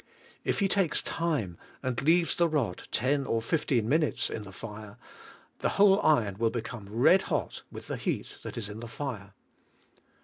If he takes time and leaves the rod ten or fifteen minutes in the fire the whole iron will become red hot with the heat that is in the fire.